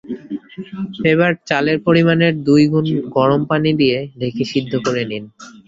এবার চালের পরিমাণের দুই গুণ গরম পানি দিয়ে ঢেকে সেদ্ধ করে নিন।